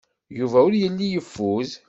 Yuba ur yelli yeffud.